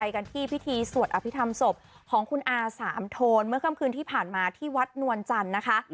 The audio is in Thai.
กันที่พิธีสวดอภิษฐรรมศพของคุณอาสามโทนเมื่อค่ำคืนที่ผ่านมาที่วัดนวลจันทร์นะคะ